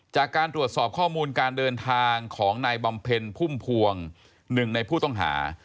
จากการตรวจสอบข้อมูลการเดินทางของนายบำเพ็ญพุ่มพวงหนึ่งในผู้ต้องหา